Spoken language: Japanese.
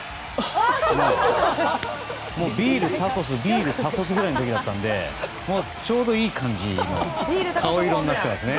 ビール、タコス、ビールタコスぐらいの時だったからちょうどいい感じの顔色になっていますね。